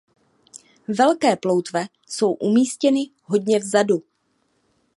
Velké ploutve jsou umístěny hodně vzadu.